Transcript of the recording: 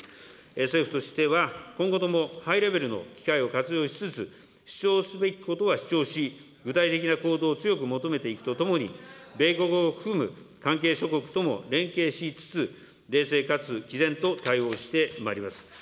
政府としては、今後ともハイレベルの機会を活用しつつ、主張すべきことは主張し、具体的な行動を強く求めていくとともに、米国を含む関係諸国とも連携しつつ、冷静かつきぜんと対応してまいります。